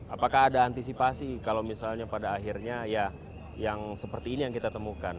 apakah ada antisipasi kalau misalnya pada akhirnya ya yang seperti ini yang kita temukan